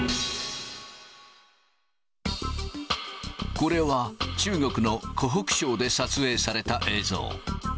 これは中国の湖北省で撮影された映像。